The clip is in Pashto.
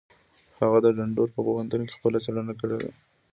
هغه د ډنور په پوهنتون کې خپله څېړنه کړې ده.